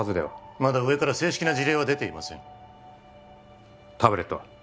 まだ上から正式な辞令は出ていませんタブレットは？